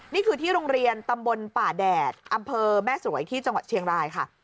นี่คือที่โรงเรียนตำบลป่าแดดอำเภอแม่สวยที่จังหวัดเชียงรายค่ะ